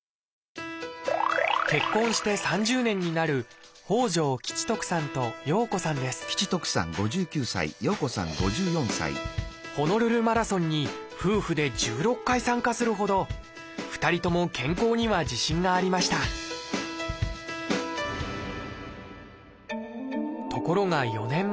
結婚して３０年になるホノルルマラソンに夫婦で１６回参加するほど２人とも健康には自信がありましたところが４年前。